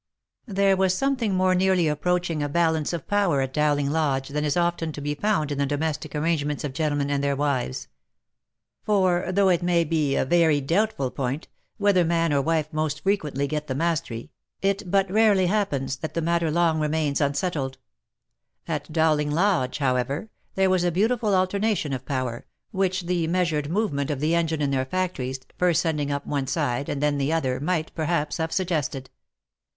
There was something more nearly approaching a balance of power at Dowling Lodge than is often to be found in the domestic arrange ments of gentlemen and their wives — for, though it may be a very doubtful point, whether man or wife most frequently get the mastery, it but rarely happens that the matter long remains unsettled. At Dowling Lodge, however, there was a beautiful alternation of power, which the measured movement of the engine in their factories, first send ing up one side, and then the other, might, perhaps, have suggested.